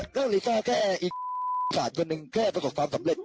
ก็ลีซ่าแก่อีสานก็นึงแค่ประกอบความสำเร็จ